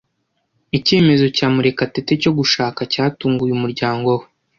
Icyemezo cya Murekatete cyo gushaka cyatunguye umuryango we.